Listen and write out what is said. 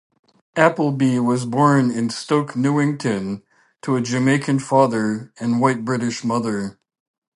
Appleby was born in Stoke Newington to a Jamaican father and white British mother.